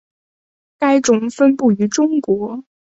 该种分布于中国。